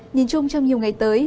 nhìn chung trong nhiều ngày tới